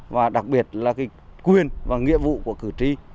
và đặc biệt là quyền và nghĩa vụ của cử tri